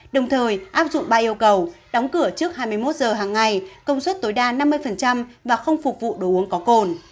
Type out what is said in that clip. đồng thời áp dụng ba yêu cầu đóng cửa trước hai mươi một giờ hàng ngày công suất tối đa năm mươi và không phục vụ đồ uống có cồn